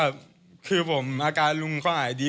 ก็คือผมอาการลุงเขาหายดี